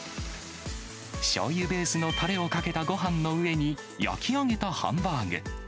しょうゆベースのたれをかけたごはんの上に、焼き上げたハンバーグ。